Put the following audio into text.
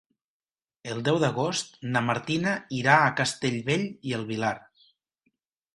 El deu d'agost na Martina irà a Castellbell i el Vilar.